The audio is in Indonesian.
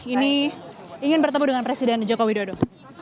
ini ingin bertemu dengan presiden joko widodo